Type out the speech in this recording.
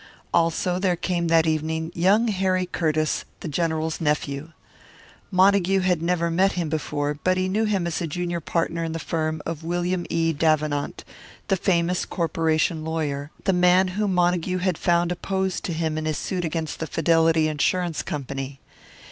Also there came that evening young Harry Curtiss, the General's nephew. Montague had never met him before, but he knew him as a junior partner in the firm of William E. Davenant, the famous corporation lawyer the man whom Montague had found opposed to him in his suit against the Fidelity Insurance Company.